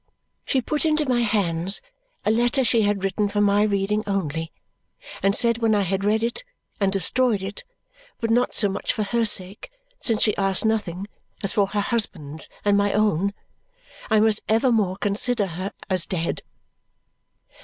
She put into my hands a letter she had written for my reading only and said when I had read it and destroyed it but not so much for her sake, since she asked nothing, as for her husband's and my own I must evermore consider her as dead.